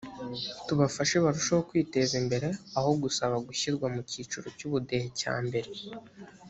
tubafashe barusheho kwiteza imbere aho gusaba gushyirwa mu cyiciro cy ubudehe cya mbere